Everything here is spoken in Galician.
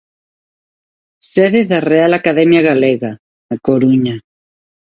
Sede da Real Academia Galega, na Coruña.